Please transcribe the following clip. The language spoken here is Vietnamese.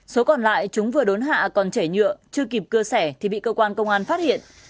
số còn lại chúng vừa đốn hạ còn chảy nhựa chưa kịp cưa xẻ thì bị cơ quan công an phát hiện